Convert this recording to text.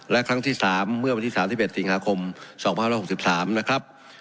และครั้งที่๓เมื่อวันที่๓๑สิงหาคม๒๐๖๓นะครับ